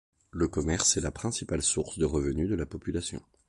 Le commerce est la principale source de revenu de la population.